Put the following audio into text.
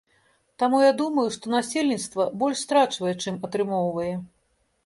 Таму я думаю, што насельніцтва больш страчвае, чым атрымоўвае.